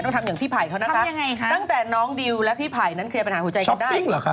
ต้องทำอย่างพี่ไผ่เขานะคะตั้งแต่น้องดิวและพี่ไผ่นั้นเคลียร์ปัญหาหัวใจกันได้ช็อปปิ้งเหรอคะ